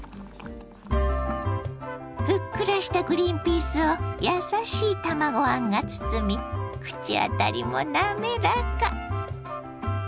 ふっくらしたグリンピースを優しい卵あんが包み口当たりもなめらか。